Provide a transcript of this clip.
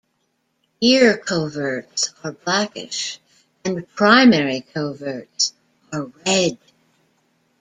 Ear-coverts are blackish and primary coverts are red.